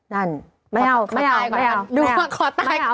นั่นไม่เอาขอตายก่อน